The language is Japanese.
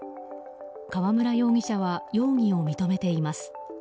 川村容疑者は容疑を認めています。